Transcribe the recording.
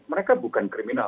mereka bukan kriminal